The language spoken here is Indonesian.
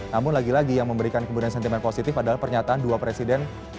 namun lagi lagi yang memberikan kemudian sentimen positif adalah pernyataan dua presiden